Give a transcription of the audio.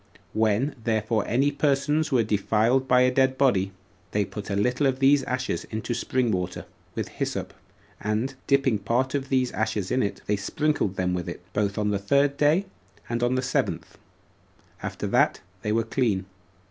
When therefore any persons were defiled by a dead body, they put a little of these ashes into spring water, with hyssop, and, dipping part of these ashes in it, they sprinkled them with it, both on the third day, and on the seventh, and after that they were clean.